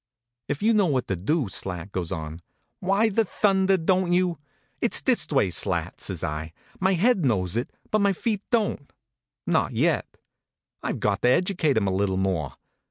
" If you know what to do," Slat goes on, " why in thunder don t you "" It s this way, Slat," says I. " My head knows it; but my feet don t. Not yet. I ve got to educate em a little more.